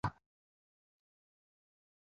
تیاره د خوب په څېر غځېدلې وه.